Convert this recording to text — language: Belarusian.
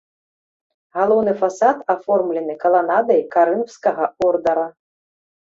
Галоўны фасад аформлены каланадай карынфскага ордара.